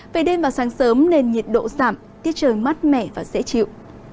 về đêm và sáng sớm nên nhiệt độ giảm tiết trời mát mẻ và dễ chịu